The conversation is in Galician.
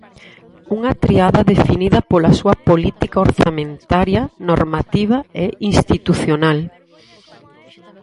Unha triada definida pola súa política orzamentaria, normativa e institucional.